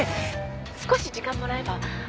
少し時間もらえば何とか。